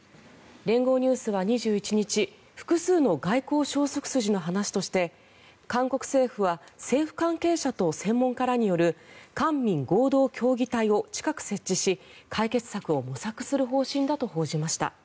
連合ニュースは２１日複数の外交消息筋の話として韓国政府は政府関係者と専門家らによる官民合同協議体を近く設置し解決策を模索する方針だと報じました。